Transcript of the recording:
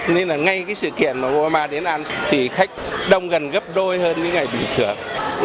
nên là ngay cái sự kiện mà oma đến ăn thì khách đông gần gấp đôi hơn những ngày bình thường